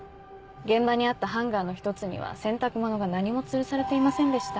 現場にあったハンガーの１つには洗濯物が何もつるされていませんでした。